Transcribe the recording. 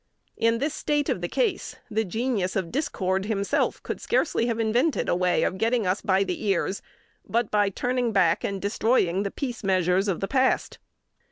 In this state of the case, the Genius of Discord himself could scarcely have invented a way of getting us by the ears, but by turning back and destroying the peace measures of the past.